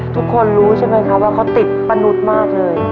ทุกคนรู้ใช่ไหมครับว่าเขาติดป้านุษย์มากเลย